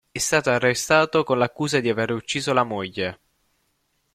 È stato arrestato con l'accusa di aver ucciso la moglie.